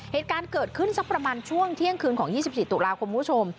เหตุการณ์เกิดขึ้นสักประมาณช่วงเที่ยงคืนของ๒๔ตุลาคมคุณผู้ชม